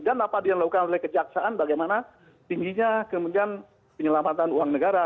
dan apa yang dilakukan oleh kejaksaan bagaimana tingginya kemudian penyelamatan uang negara